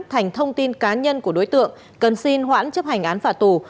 thành thông tin cá nhân của đối tượng cần xin hoãn chấp hành án phạt tù